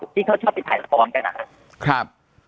ที่เขาชอบไปถ่ายละครกันนะครับ